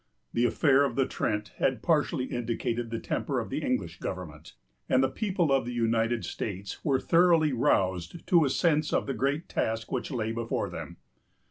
The affair of the Trent had partially indicated the temper of the English government, and the people of the United States were thoroughly roused to a sense of the great task which lay before them.